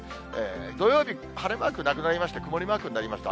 土曜日、晴れマークなりまして、曇りマークになりました。